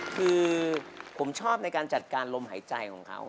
คือผมชอบในการจัดการลมหายใจของเขา